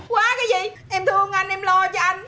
quá cái gì em thương anh em lo cho anh